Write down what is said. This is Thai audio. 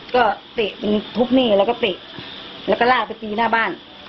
ก็เตะเป็นทุบหนี้แล้วก็เตะแล้วก็ลากไปตีหน้าบ้าน